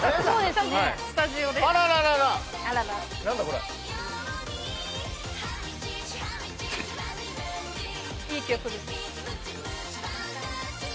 これいい曲です